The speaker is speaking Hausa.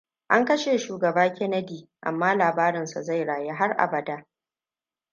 An kashe Shugaba Kennedy, amma labarinsa zai rayu har abada.